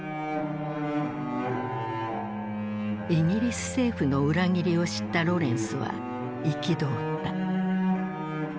イギリス政府の裏切りを知ったロレンスは憤った。